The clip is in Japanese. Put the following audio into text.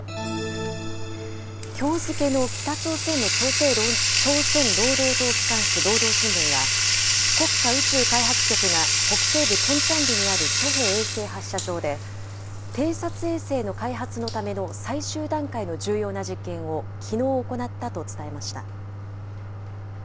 きょう付けの北朝鮮の朝鮮労働党機関紙、労働新聞は、国家宇宙開発局が北西部トンチャンリにあるソヘ衛星発射場で偵察衛星の開発のための最終段階の重要な実験をきのう行ったと伝えました。